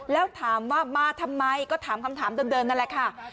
แล้วถามว่ามาทำไมก็ถามคำถามเดิมนั่นแหละค่ะ